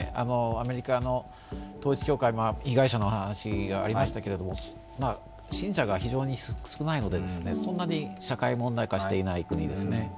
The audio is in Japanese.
アメリカの統一教会、被害者の話がありましたけれども、信者が非常に少ないので、そんなに社会問題化していないですね。